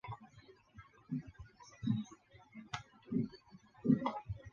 如今南面这两层的外廊已经被装上窗户。